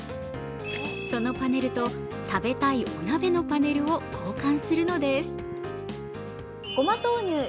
そのパネルと、食べたいお鍋のパネルを交換するのです。